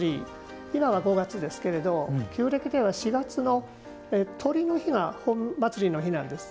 今は５月ですが旧暦では４月のとりの日が本祭の日なんです。